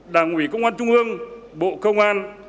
đảng ủy công an trung ương bộ công an